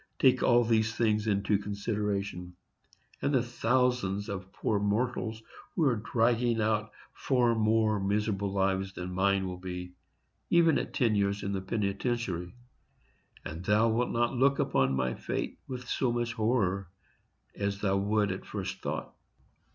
Take all these things into consideration, and the thousands of poor mortals who are dragging out far more miserable lives than mine will be, even at ten years in the penitentiary, and thou wilt not look upon my fate with so much horror as thou would at first thought.